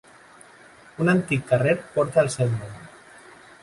Un antic carrer porta el seu nom.